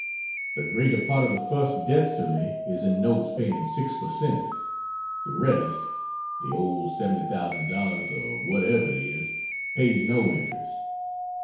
The greater part of the first debts to me is in notes paying 6 percent. The rest (the old $70,000 or whatever it is) pays no interest.